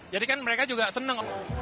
jadi kan mereka juga seneng